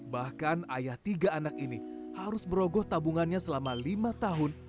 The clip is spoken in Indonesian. bahkan ayah tiga anak ini harus merogoh tabungannya selama lima tahun